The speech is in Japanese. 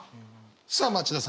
さあ町田さん